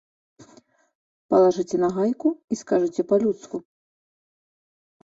Палажыце нагайку і скажыце па-людску.